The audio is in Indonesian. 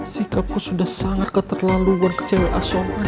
sikapku sudah sangat keterlaluan ke cewek asoman